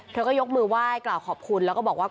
เธอก็ยกมือไหว้กล่าวขอบคุณแล้วก็บอกว่า